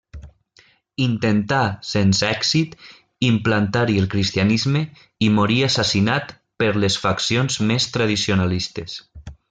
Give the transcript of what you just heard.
Intentà, sense èxit, implantar-hi el cristianisme i morí assassinat per les faccions més tradicionalistes.